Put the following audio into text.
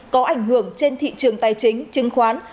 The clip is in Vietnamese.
có ảnh hưởng trên thị trường tài chính chứng khoán